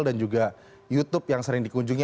dan juga youtube yang sering dikunjungi